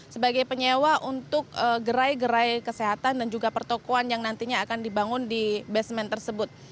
sebagai penyewa untuk gerai gerai kesehatan dan juga pertokohan yang nantinya akan dibangun di basement tersebut